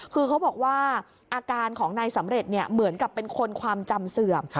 คือเขาบอกว่าอาการของนายสำเร็จเหมือนกับเป็นคนความจำเสื่อม